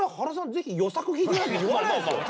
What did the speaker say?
ぜひ『与作』弾いて」なんて言わないですよ。